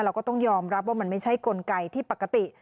เราก็ต้องยอมรับว่ามันไม่ใช่กลไกที่ปกติ